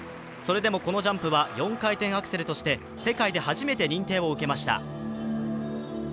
それでもこのジャンプは４回転アクセルとして世界で初めて認定を受けました。